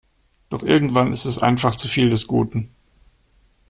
Doch irgendwann ist es einfach zu viel des Guten.